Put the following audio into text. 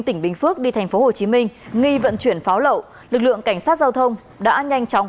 tỉnh bình phước đi tp hcm nghi vận chuyển pháo lậu lực lượng cảnh sát giao thông đã nhanh chóng